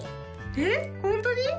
えっホントに？